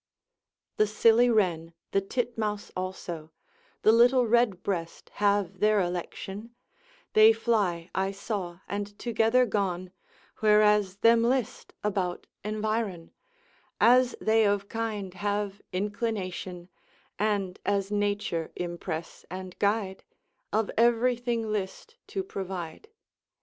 The silly wren, the titmouse also, The little redbreast have their election, They fly I saw and together gone, Whereas hem list, about environ As they of kinde have inclination, And as nature impress and guide, Of everything list to provide.